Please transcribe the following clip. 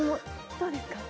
どうですか？